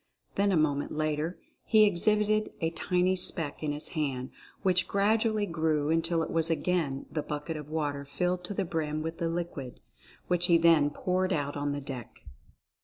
Then a moment later he exhibited a tiny speck in his hand, which gradually grew until it was again the bucket of water filled to the brim with the liquid, which he then poured out on the deck.